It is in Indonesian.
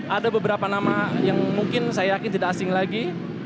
ada beberapa nama yang mungkin saya yakin tidak asing lagi